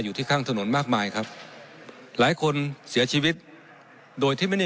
อยู่ที่ข้างถนนมากมายครับหลายคนเสียชีวิตโดยที่ไม่ได้